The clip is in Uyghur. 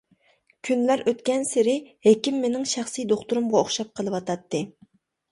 كۈنلەر ئۆتكەنسېرى ھېكىم مېنىڭ شەخسىي دوختۇرۇمغا ئوخشاپ قېلىۋاتاتتى.